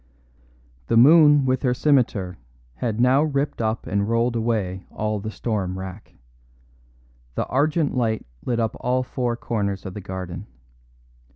The moon with her scimitar had now ripped up and rolled away all the storm wrack. The argent light lit up all four corners of the garden.